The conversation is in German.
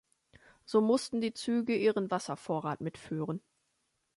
So mussten die Züge ihren Wasservorrat mitführen.